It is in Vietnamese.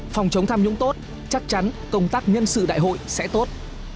phòng chống tham nhũng tốt chắc chắn công tác nhân sự đại hội sẽ tốt